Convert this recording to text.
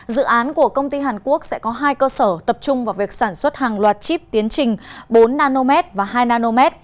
dự án của công ty hàn quốc sẽ có hai cơ sở tập trung vào việc sản xuất hàng loạt chip tiến trình bốn n và hai nm